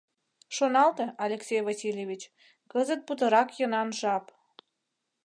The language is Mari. Шоналте, Алексей Васильевич, кызыт путырак йӧнан жап.